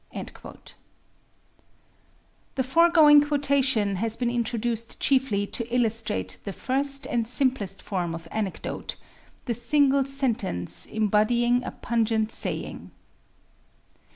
" The foregoing quotation has been introduced chiefly to illustrate the first and simplest form of anecdote the single sentence embodying a pungent saying.